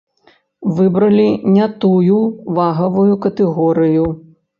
Выбралі не тую вагавую катэгорыю.